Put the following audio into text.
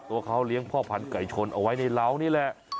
ตัวเขาเลี้ยงพ่อพันธุไก่ชนเอาไว้ในเหล้านี่แหละ